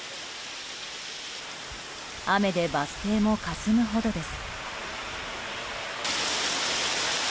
雨でバス停もかすむほどです。